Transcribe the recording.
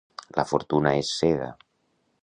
La Fortuna és cega.